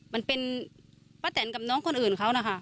มันเป็นป้าแตนกับน้องคนอื่นเขานะคะ